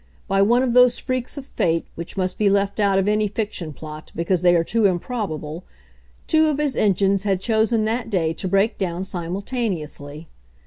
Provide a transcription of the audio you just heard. By one of those freaks of Fate which must be left out of any fiction plot because they are too improbable, two of his engines had chosen that day to break down simultaneously.